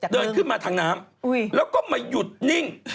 ว้างเข้าขึ้นมาทางน้ำแล้วก็มันหยุดนิ่ง